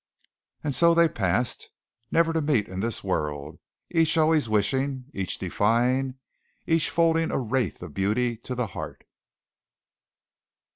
And so they passed, never to meet in this world each always wishing, each defying, each folding a wraith of beauty to the heart.